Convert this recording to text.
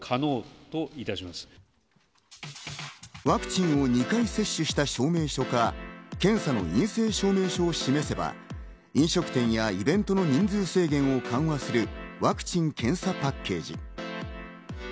ワクチンを２回接種した証明書か、検査の陰性証明書を示せば、飲食店やイベントの人数制限を緩和するワクチン・検査パッケージ。